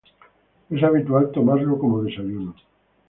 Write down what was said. Es habitual tomarlo como desayuno.